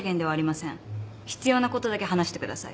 必要なことだけ話してください。